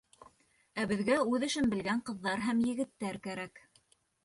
Ә беҙгә үҙ эшен белгән ҡыҙҙар һәм егеттәр кәрәк.